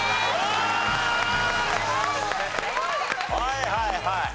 はいはいはい。